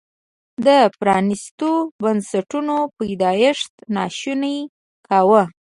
د پرانیستو بنسټونو پیدایښت ناشونی کاوه.